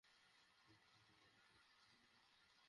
দুপুরে কয়েকজন বমি করেন এবং রাতে কারও কারও পাতলা পায়খানা শুরু হয়।